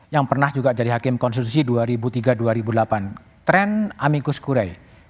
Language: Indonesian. yang pernah juga jadi hakim konstitusi dua ribu tiga dua ribu delapan tren amikus kurei